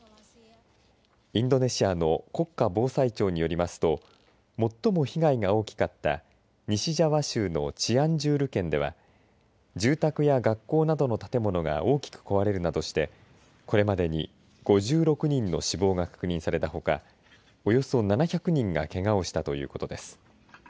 インドネシアの国家防災庁によりますと最も被害が大きかった西ジャワ州のチアンジュール県では住宅や学校などの建物が大きく壊れるなどとしてこれまでに５６人の死亡が確認されたほかおよそ７００人がけがをしたということです。